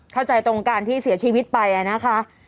เข้าใจตรงการที่เสียชีวิตไปนะคะ